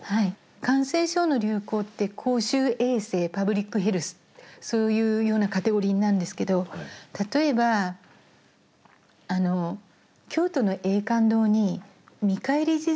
感染症の流行って公衆衛生パブリックヘルスそういうようなカテゴリーなんですけど例えば京都の永観堂にみかえり地蔵ってあるんですよ。